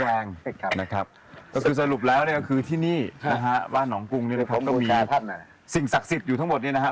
นะครับก็คือสรุปแล้วเนี่ยก็คือที่นี่นะฮะบ้านหนองกรุงเนี่ยนะครับก็มีสิ่งศักดิ์สิทธิ์อยู่ทั้งหมดเนี่ยนะครับ